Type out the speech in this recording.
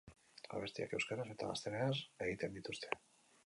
Abestiak euskaraz eta gaztelaniaz egiten dituzte.